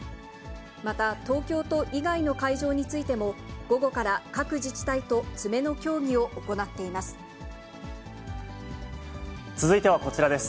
また東京都以外の会場についても、午後から各自治体と詰めの協議を行っています。